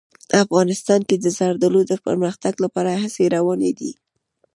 افغانستان کې د زردالو د پرمختګ لپاره هڅې روانې دي.